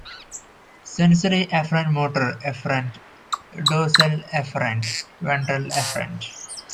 Sensory Afferent Motor Efferent, Dorsal Afferent Ventral Efferent.